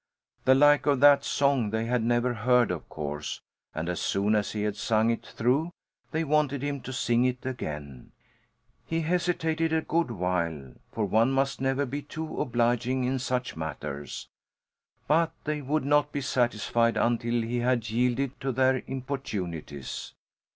The like of that song they had never heard, of course, and as soon as he had sung it through they wanted him to sing it again. He hesitated a good while for one must never be too obliging in such matters but they would not be satisfied until he had yielded to their importunities.